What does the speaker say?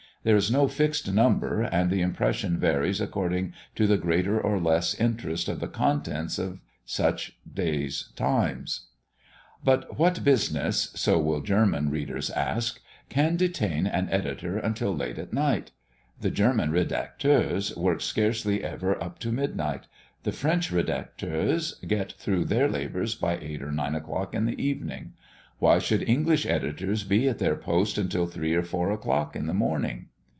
There is no fixed number, and the impression varies according to the greater or less interest of the contents of such day's Times. But what business so will German readers ask can detain an editor until late at night? The German redacteurs work scarcely ever up to midnight; the French redacteurs get through their labours by eight or nine o'clock in the evening. Why should English editors be at their post until three or four o'clock in the morning?